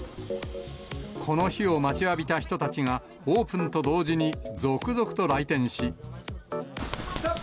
この日を待ちわびた人たちが、オープンと同時に続々と来店し。